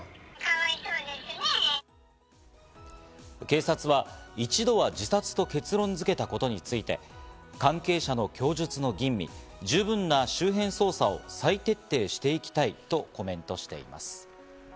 警察は一度は自殺と結論づけたことについて、関係者の供述の吟味、十分な周辺捜査を再徹底していきたいとコメントしています。